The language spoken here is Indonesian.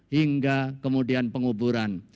hingga kemudian penguburan